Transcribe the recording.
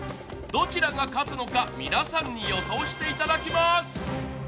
どちらが勝つのか皆さんに予想していただきます。